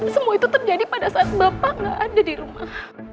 semua itu terjadi pada saat bapak nggak ada di rumah